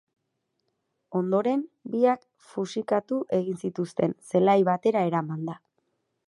Ondoren, biak fusikatu egin zituzten zelai batera eramanda.